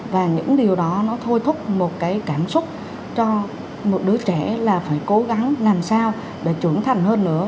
và những điều đó nó thôi thúc một cái cảm xúc cho một đứa trẻ là phải cố gắng làm sao để trưởng thành hơn nữa